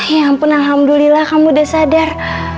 ya ampun alhamdulillah kamu udah sadar